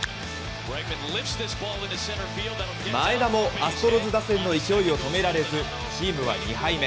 前田もアストロズ打線の勢いを止められず、チームは２敗目。